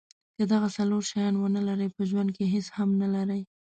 که دغه څلور شیان ونلرئ په ژوند کې هیڅ هم نلرئ.